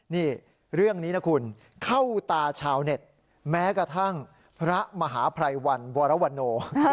นี่เรื่องนี้นะคุณเข้าตาชาวเน็ตแม้กระทั่งพระมหาภัยวันวรวโน